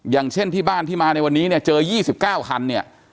อย่างเช่นที่บ้านที่มาในวันนี้เนี่ยเจอ๒๙คันเนี่ย